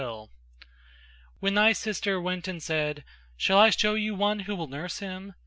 P: When thy sister went and said: Shall I show you one who will nurse him?